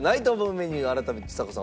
メニュー改めてちさ子さん